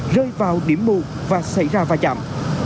rơi vào điểm mù và xảy ra va chạm